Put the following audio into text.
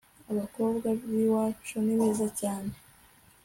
abakobwa b'iwacu ni beza cyane